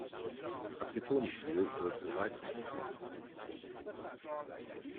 Acetonitril wirkt reizend.